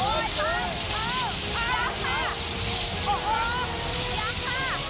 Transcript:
หัวอยากค่ะ